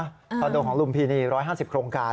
ตัวเนี่ยคือควัติโดของลุมพีณี๑๕๐โครงการ